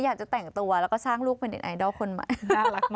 อยากจะแต่งตัวแล้วก็สร้างลูกเป็นเด็นไอดอลคนใหม่